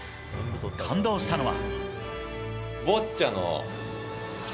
感動したのは。